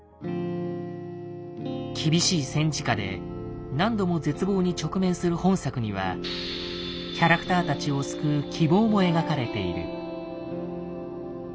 厳しい戦時下で何度も絶望に直面する本作にはキャラクターたちを救う「希望」も描かれている。